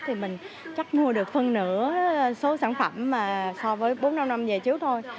thì mình chắc mua được phần nửa số sản phẩm mà so với bốn năm năm về trước thôi